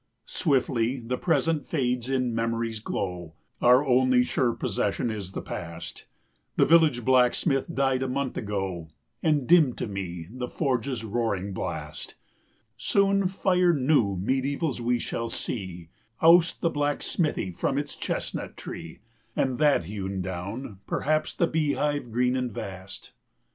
Swiftly the present fades in memory's glow, Our only sure possession is the past; The village blacksmith died a month ago, And dim to me the forge's roaring blast; 235 Soon fire new mediævals we shall see Oust the black smithy from its chestnut tree, And that hewn down, perhaps, the bee hive green and vast.